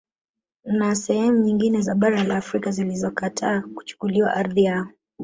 Na sehemu nyingine za bara la Afrika zilizokataa kuchukuliwa ardhi yao